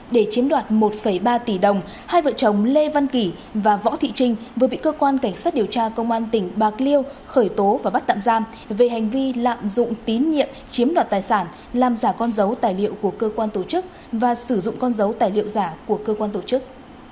để chiếm đoạt một ba tỷ đồng hai vợ chồng lê văn kỳ và võ thị trinh vừa bị cơ quan cảnh sát điều tra công an tỉnh bạc liêu khởi tố và bắt tạm giam về hành vi lạm dụng tín nhiệm chiếm đoạt tài sản làm giả con dấu tài liệu của cơ quan tổ chức và sử dụng con dấu tài liệu giả của cơ quan tổ chức